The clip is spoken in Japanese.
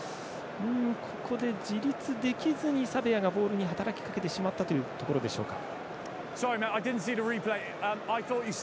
ここで自立できずにサベアがボールに働きかけてしまったというところでしょうか。